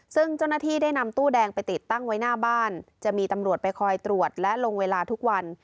ซึ่งเจ้าหน้าที่ได้นำตู้แดงไปติดตั้งไว้หน้าบ้านจะมีตำรวจไปคอยตรวจและลงเวลาทุกวัน